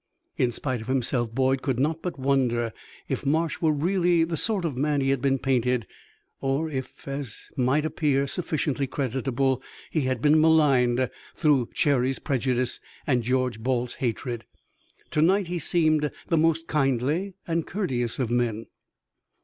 In spite of himself Boyd could not but wonder if Marsh were really the sort of man he had been painted; or if, as might appear sufficiently credible, he had been maligned through Cherry's prejudice and George Balt's hatred. To night he seemed the most kindly and courteous of men.